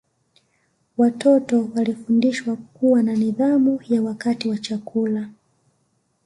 Watoto walifundishwa kuwa na nidhamu ya wakati wa chakula